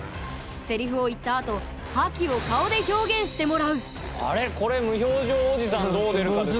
セリフを言った後覇気を顔で表現してもらうあれこれ無表情おじさんどう出るかですよね。